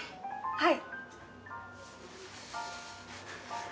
はい。